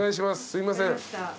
すいません。